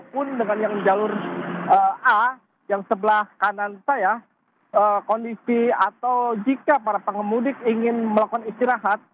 pun dengan yang jalur a yang sebelah kanan saya kondisi atau jika para pengemudi ingin melakukan istirahat